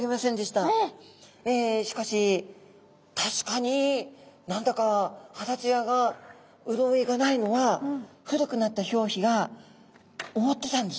えしかし確かに何だか肌ツヤが潤いがないのは古くなった表皮が覆ってたんですね。